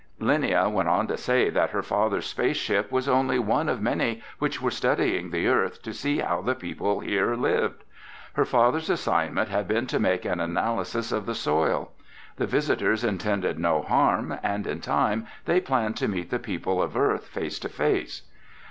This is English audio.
Linnia went on to say that her father's space ship was only one of many which were studying the earth to see how the people here lived. Her father's assignment had been to make an analysis of the soil. The visitors intended no harm and in time they planned to meet the people of earth face to face.